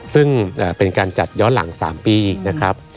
ซึ่งเป็นการจัดย้อนหลัง๓ปีนะครับ